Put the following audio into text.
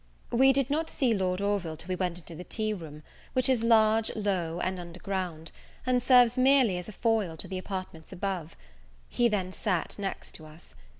We did not see Lord Orville till we went into the tea room, which is large, low, and under ground, and serves merely as a foil to the apartments above; he then sat next to us.